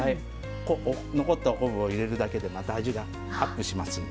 残ったお昆布を入れるだけでまた味がアップしますんで。